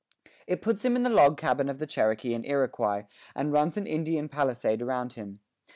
It puts him in the log cabin of the Cherokee and Iroquois and runs an Indian palisade around him.